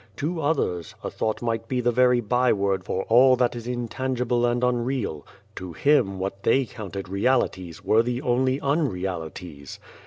To others, a thought might be the very byword for all that is intangible and unreal. To him what they counted realities, were the only unrealities.